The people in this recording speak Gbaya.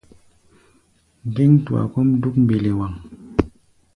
Ŋgéŋ-tua kɔ́ʼm dúk mbelewaŋ.